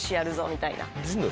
みたいな。